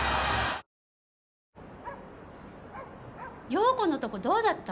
洋子のとこどうだった？